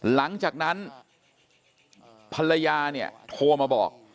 หลังจากนั้นภรรยาโทรมาบอก